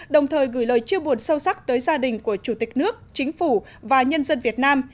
đồng thời gửi lời chia buồn sâu sắc tới gia đình của chủ tịch nước chính phủ và nhân dân việt nam